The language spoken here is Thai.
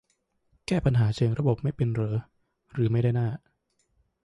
แก้ปัญหาเชิงระบบไม่เป็นเหรอ หรือไม่ได้หน้า